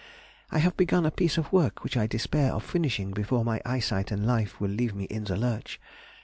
I have begun a piece of work which I despair of finishing before my eyesight and life will leave me in the lurch.